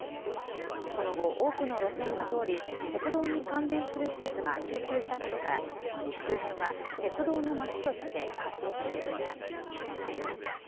その後、多くの路線が通り、鉄道に関連する施設が集中したことから、周辺は鉄道のまちとして発展してきました。